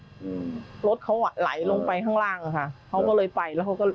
อือโรสเขาไหวไหลลงไปข้างล่างนะคะเขาเลยไปแล้วก็